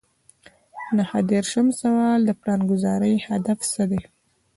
نهه دېرشم سوال د پلانګذارۍ هدف څه دی.